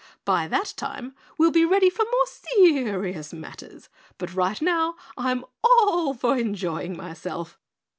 By that time we'll be ready for more serious matters, but right now I'm all for enjoying myself.